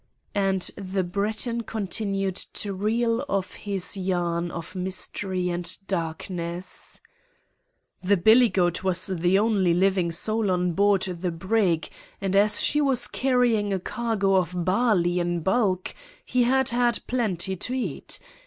And the Breton continued to reel off his yarn of mystery and darkness: "The billy goat was the only living soul on board the brig, and as she was carrying a cargo of barley in bulk, he had had plenty to eat.